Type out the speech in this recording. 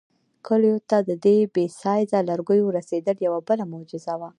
کلیو ته د دې بې سایزه لرګیو رسېدل یوه بله معجزه وه.